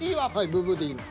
ブブーッでいいの。